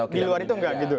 di luar itu enggak gitu